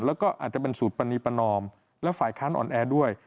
แล้วก็อาจจะเป็นสูตรปณีประนอมและฝ่ายค้านอ่อนแอด้วย